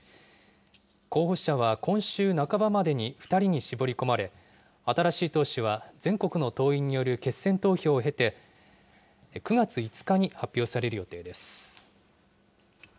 候補者は今週半ばまでに２人に絞り込まれ、新しい党首は全国の党員による決選投票を経て、９月５日に発表される予定です。